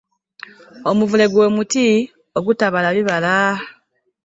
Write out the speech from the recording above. Omuvule gwe muti ogutabala bibala.